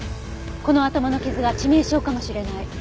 この頭の傷が致命傷かもしれない。